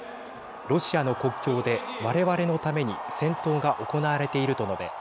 ロシアの国境で我々のために戦闘が行われていると述べ